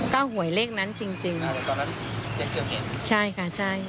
ก็หวยเลขนั้นจริงจริงอ่าแต่ตอนนั้นยังเกือบเห็นใช่ค่ะใช่